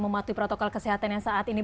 mematuhi protokol kesehatan yang saat ini